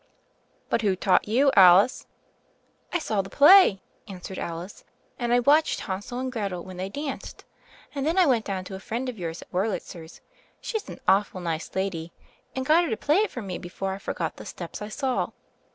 "But who taught you, Alice?" "I saw the play," answered Alice, "and I watched Hansel and Gretel when they danced; and then I went down to a friend of yours at Wurlitzer's — she's an awful nice lady — and got her to play it for me before I forgot the steps I saw."